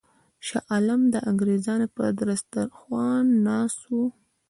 شاه عالم د انګرېزانو پر سترخوان ناست وو.